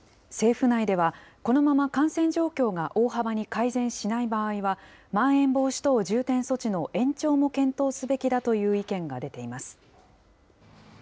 政府内では、このまま感染状況が大幅に改善しない場合は、まん延防止等重点措置の延長も検討すべきだという意見が出ています。